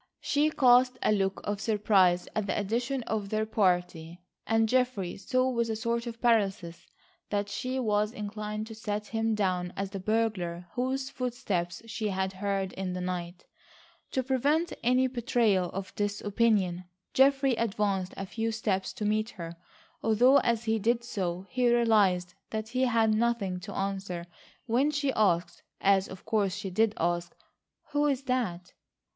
She cast a look of surprise at the addition to their party and Geoffrey saw with a sort of paralysis that she was inclined to set him down as the burglar whose footsteps she had heard in the night. To prevent any betrayal of this opinion, Geoffrey advanced a few steps to meet her, although as he did so, he realised that he had nothing to answer when she asked, as of course she did ask: "Who is that?"